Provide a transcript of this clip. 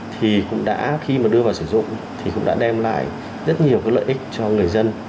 thì cũng đã khi đưa vào sử dụng cũng đã đem lại rất nhiều lợi ích cho người dân